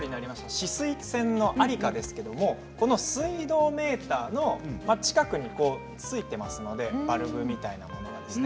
止水栓のありかですが水道メーターの近くに付いていますのでバルブみたいなものですね。